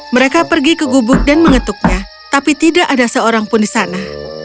mereka pergi ke gubuk dan mengetuknya tapi tidak ada seorang pun di sana